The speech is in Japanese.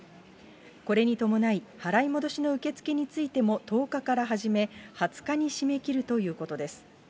これに伴い、払い戻しの受け付けについても１０日から始め、２０日に締め切るということです。